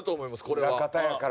これは。